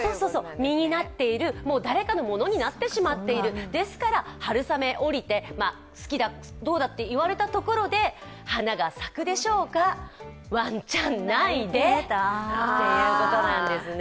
実になっている、もう誰かのものになってしまっている、ですから、春雨降りて、好きだどうだと言われたところで花が咲くでしょうか、ワンチャンないで、っていうことなんですね。